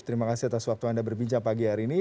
terima kasih atas waktu anda berbincang pagi hari ini